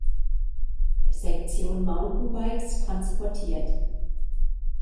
Sektion Mountainbikes transportiert.